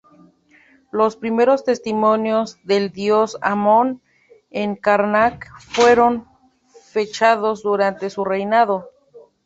Los primeros testimonios del dios Amón en Karnak fueron fechados durante su reinado.